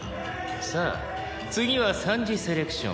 「さあ次は三次セレクション」